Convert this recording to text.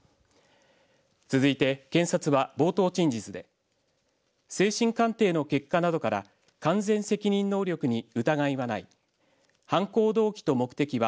続いて検察は冒頭陳述で精神鑑定の結果などから完全責任能力に疑いはない犯行動機と目的は